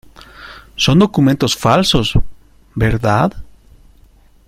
son documentos falsos, ¿ verdad?